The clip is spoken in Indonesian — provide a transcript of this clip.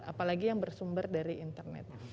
apalagi yang bersumber dari internet